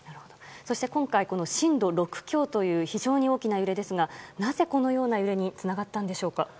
そして今回、震度６強という非常に大きな揺れですがなぜ、このような揺れにつながったのでしょうか。